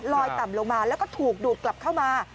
ต่ำลงมาแล้วก็ถูกดูดกลับเข้ามา